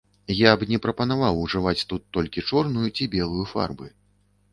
Я б не прапанаваў ужываць тут толькі чорную ці белую фарбы.